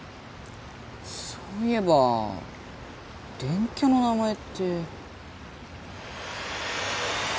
そういえば電キャの名前って。